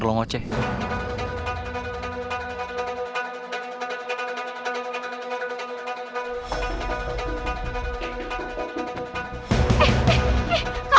lo harus banget ya